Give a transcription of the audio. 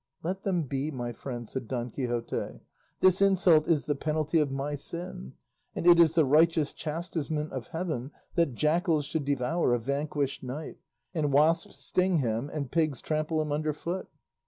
"Let them be, my friend," said Don Quixote; "this insult is the penalty of my sin; and it is the righteous chastisement of heaven that jackals should devour a vanquished knight, and wasps sting him and pigs trample him under foot."